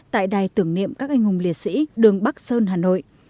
tại đài tưởng niệm các anh hùng liệt sĩ đường bắc sơn hà nội